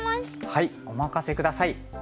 はいお任せ下さい！